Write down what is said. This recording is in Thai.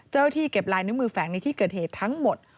เจ้าหน้าที่เก็บลายนึกมือแฝงในที่เกิดเหตุทั้งหมด